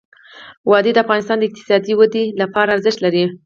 وادي د افغانستان د اقتصادي ودې لپاره ارزښت لري.